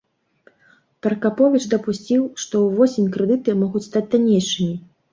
Пракаповіч дапусціў, што ўвосень крэдыты могуць стаць таннейшымі.